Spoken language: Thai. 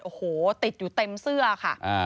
โอ้โหติดอยู่เต็มเสื้อค่ะ